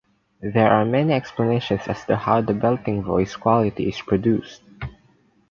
There are many explanations as to how the belting voice quality is produced.